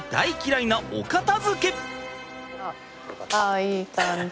あいい感じ。